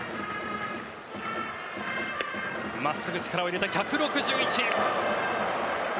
まっすぐ、力を入れて１６１！